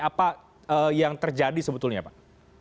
apa yang terjadi sebetulnya pak